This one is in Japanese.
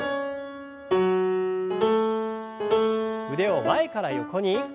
腕を前から横に。